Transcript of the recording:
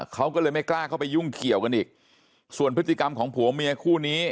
เขาก็เลยไม่กล้าเข้าไปยุ่งเกี่ยวกันอีกส่วนพฤติกรรมของผัวเมียคู่นี้